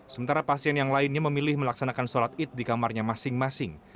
sementara pasien yang lainnya memilih melaksanakan sholat id di kamarnya masing masing